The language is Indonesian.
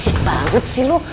salam bersih banget sih lo